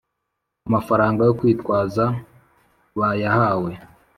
amafaranga yo kwitwaza bayahawe